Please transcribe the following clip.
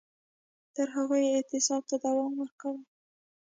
تر هغو یې اعتصاب ته دوام ورکاوه